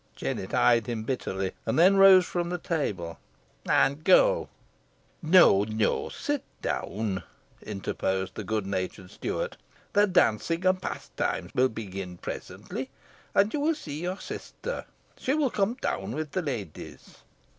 Jennet eyed him bitterly, and then rose from the table. "Ey'n go," she said. "No no; sit down," interposed the good natured steward. "The dancing and pastimes will begin presently, and you will see your sister. She will come down with the ladies."